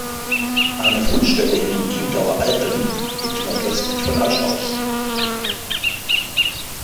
Eine Fundstelle in den Chiemgauer Alpen liegt nordöstlich von Aschau.